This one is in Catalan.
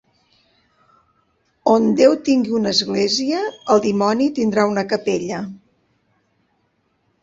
On Déu tingui una església, el dimoni tindrà una capella